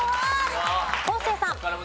昴生さん。